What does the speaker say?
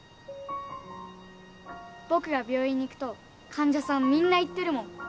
僕が病院に行くと患者さんみんな言ってるもん。